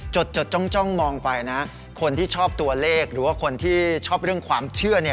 จดจ้องมองไปนะคนที่ชอบตัวเลขหรือว่าคนที่ชอบเรื่องความเชื่อ